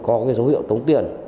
có cái dấu hiệu tống tiền